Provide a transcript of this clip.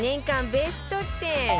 ベスト１０